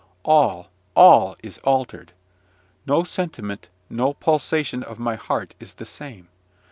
All, all, is altered! No sentiment, no pulsation of my heart, is the same.